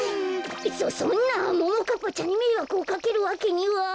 そそんなももかっぱちゃんにめいわくをかけるわけには。